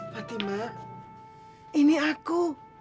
fatimah ini aku